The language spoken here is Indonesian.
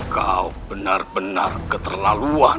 kau benar benar keterlaluan